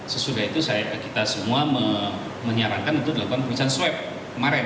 sesudah itu kita semua menyarankan untuk dilakukan pemeriksaan swab kemarin